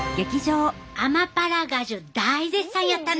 アマパラガジュ大絶賛やったね！